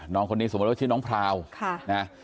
น้องคนนี้สมมุติว่าชื่อน้องพราวนะ